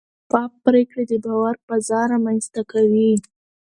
شفاف پریکړې د باور فضا رامنځته کوي.